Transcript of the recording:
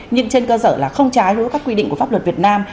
nhưng trên cơ sở là không trái với các quy định của pháp luật việt nam